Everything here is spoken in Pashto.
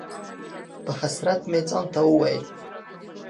په حسرت مې ځان ته وویل: